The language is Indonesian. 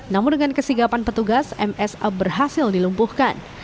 namun dengan kesigapan petugas msa berhasil dilumpuhkan